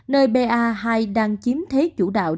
nơi ba hai đang chiếm thế chủ đạo